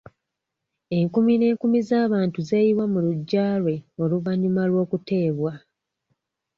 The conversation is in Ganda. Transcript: Enkumi n'enkumi z'abantu zeeyiwa mu luggya lwe oluvannyuma lw'okuteebwa.